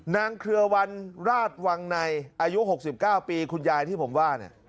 เครือวันราชวังในอายุ๖๙ปีคุณยายที่ผมว่าเนี่ย